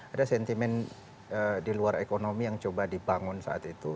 ada sentimen di luar ekonomi yang coba dibangun saat itu